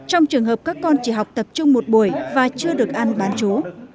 trong trường hợp các con chỉ học tập trung một buổi và chưa được ăn bán chú